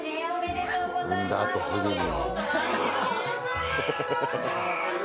産んだあとすぐに。